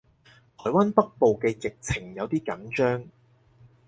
台灣北部嘅疫情有啲緊張